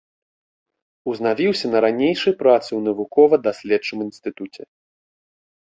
Узнавіўся на ранейшай працы ў навукова-даследчым інстытуце.